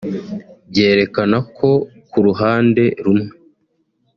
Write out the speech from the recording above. byerekana ko ku ruhande rumwe